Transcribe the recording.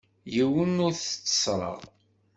Yiwen ur t-tteṣṣreɣ.